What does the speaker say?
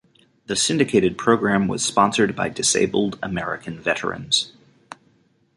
The syndicated program was sponsored by Disabled American Veterans.